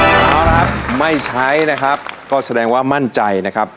ไม่ใช้ไม่ใช้นะครับไม่ใช้นะครับก็แสดงว่ามั่นใจนะครับ